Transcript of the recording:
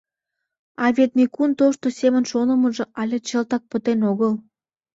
А вет Микун тошто семын шонымыжо але чылтак пытен огыл.